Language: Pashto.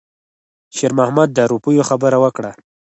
شېرمحمد د روپیو خبره وکړه.